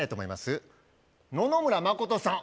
野々村真さん